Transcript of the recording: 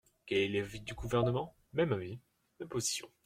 Quel est l’avis du Gouvernement ? Même avis, même position.